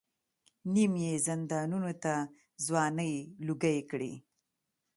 نیم یې زندانونو ته ځوانۍ لوګۍ کړې.